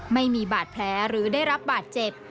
ไม่มีบาดแผลหรือได้รับบาดเจ็บ